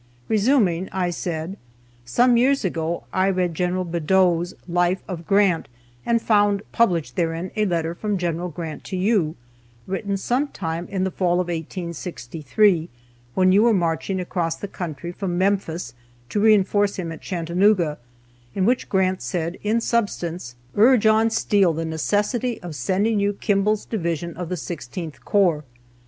Resuming, I said: "Some years ago I read Gen. Badeau's 'Life of Grant,' and found published therein a letter from Gen. Grant to you, written some time in the fall of 1863, when you were marching across the country from Memphis to reinforce him at Chattanooga, in which Grant said, in substance, 'Urge on Steele the necessity of sending you Kimball's division of the Sixteenth Corps.'